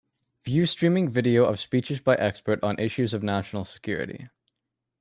View streaming video of speeches by experts on issues of national security.